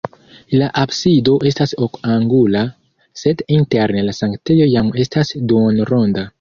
La absido estas ok-angula, sed interne la sanktejo jam estas duonronda.